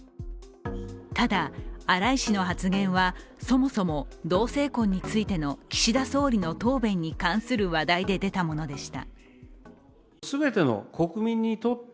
ただ、荒井氏の発言はそもそも同性婚についての岸田総理の答弁に関する話題で出たものでした。